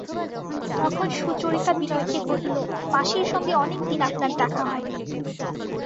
তখন সুচরিতা বিনয়কে কহিল, মাসির সঙ্গে অনেক দিন আপনার দেখা হয় নি।